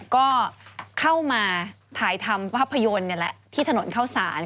ก็เข้ามาถ่ายทำภาพยนตร์นี่แหละที่ถนนเข้าสาร